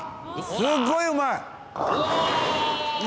すっごいうまい！